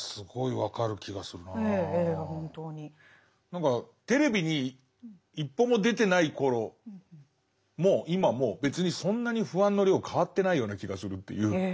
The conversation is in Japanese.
何かテレビに一歩も出てない頃も今も別にそんなに不安の量変わってないような気がするっていう。